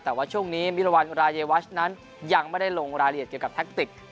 แต่ว่าช่วงนี้มิรวรรณรายวัชนั้นยังไม่ได้ลงรายละเอียดเกี่ยวกับแท็กติก